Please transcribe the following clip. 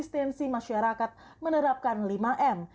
esensi masyarakat menerapkan lima m